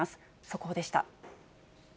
速報でした。